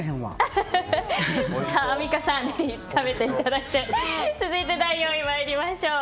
アンミカさん食べていただいて続いて、第４位に参りましょう。